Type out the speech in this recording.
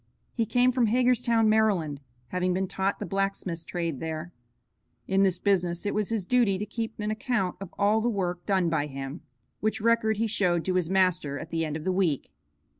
He came from Hagerstown, Maryland, having been taught the blacksmith's trade there. In this business it was his duty to keep an account of all the work done by him, which record he showed to his master at the end of the week.